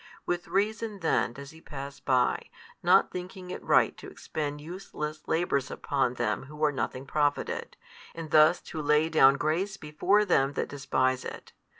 With reason then does He pass by, not thinking it right to expend useless labours upon them who are nothing profited, and thus to lay down grace before them that despise it.